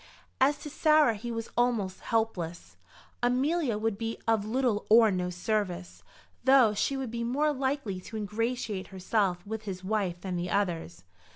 As to Sarah he was almost hopeless. Amelia would be of little or no service, though she would be more likely to ingratiate herself with his wife than the others.